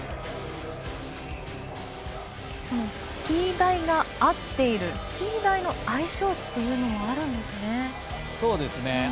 スキー台が合っているスキー台の相性というのもあるんですね。